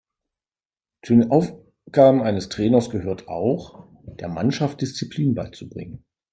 Zu den Aufgaben eines Trainers gehört auch, der Mannschaft Disziplin beizubringen.